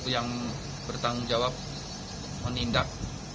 yang bertanggung jawab menindak